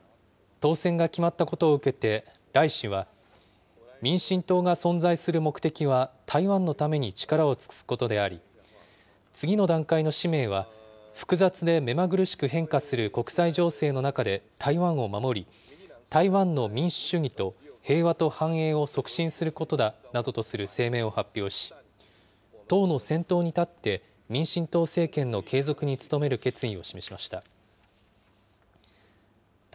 当選が決まったことを受けて、頼氏は、民進党が存在する目的は台湾のために力を尽くすことであり、次の段階の使命は、複雑で目まぐるしく変化する国際情勢の中で台湾を守り、台湾の民主主義と平和と繁栄を促進することだなどとする声明を発表し、党の先頭に立って、民進党政権の継続に努める決意を示しました。